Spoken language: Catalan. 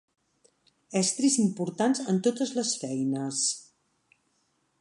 Estris importants en totes les feines.